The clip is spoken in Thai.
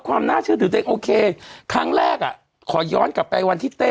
ความน่าเชื่อถือตัวเองโอเคครั้งแรกอ่ะขอย้อนกลับไปวันที่เต้